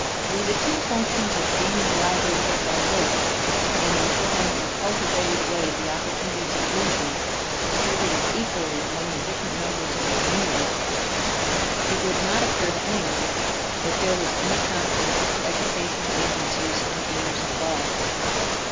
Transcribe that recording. Were the two functions of gaining a livelihood by work and enjoying in a cultivated way the opportunities of leisure, distributed equally among the different members of a community, it would not occur to any one that there was any conflict of educational agencies and aims involved.